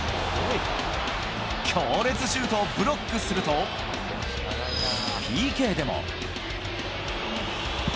強烈シュートをブロックすると、ＰＫでも。